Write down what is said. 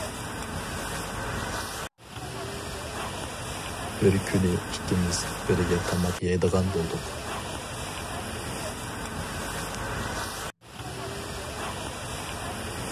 بىر كۈنى ئىككىمىز بىرگە تاماق يەيدىغان بولدۇق.